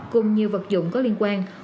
cùng nhiều vật dụng có liên quan